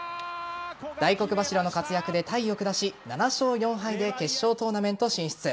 大黒柱の活躍でタイを下し７勝４敗で決勝トーナメント進出。